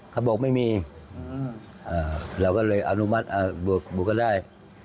เขาบอกไม่มีเราก็เลยอนุมัติบุกก็ได้